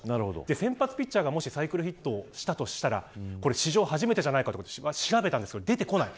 先発ピッチャーがサイクルヒットをしたとしたら史上初めてじゃないかと思って調べたんですけど出てこない。